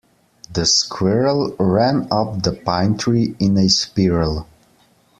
The squirrel ran up the pine tree in a spiral.